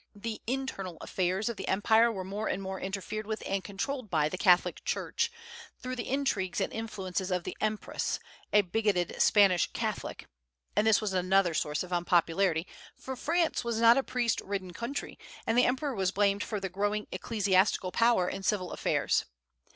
The internal affairs of the empire were more and more interfered with and controlled by the Catholic Church, through the intrigues and influence of the empress, a bigoted Spanish Catholic, and this was another source of unpopularity, for France was not a priest ridden country, and the emperor was blamed for the growing ecclesiastical power in civil affairs.